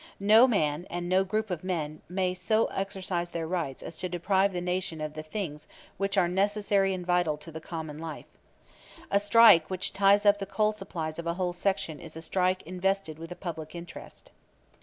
No man and no group of men may so exercise their rights as to deprive the nation of the things which are necessary and vital to the common life. A strike which ties up the coal supplies of a whole section is a strike invested with a public interest.